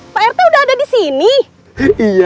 pak rt udah ada di sini